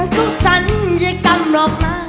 ก็สัญญากันหรอกนะ